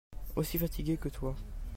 Aussi fatiguée que toi.